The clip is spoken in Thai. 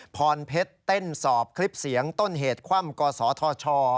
พรเพชรเต้นสอบคลิปเสียงต้นเหตุคว่ำกศธช